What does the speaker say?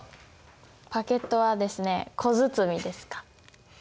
パケットはですね小包です。